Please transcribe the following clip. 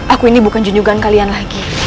aku ini bukan junugan kalian lagi